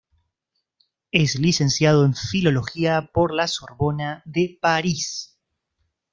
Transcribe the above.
Es licenciado en Filología por La Sorbona de París.